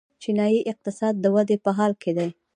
چینايي اقتصاد د ودې په حال کې دی.